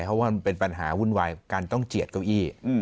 เพราะว่ามันเป็นปัญหาวุ่นวายการต้องเจียดเก้าอี้